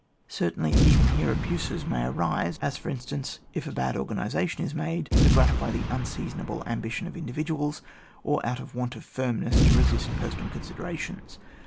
Certainly, even here abuses may arise, as for instance, if a bad organisa tion is made to gratify the unseasonable ambition of individuals, or, out of want of firmness to resist personal considera tions.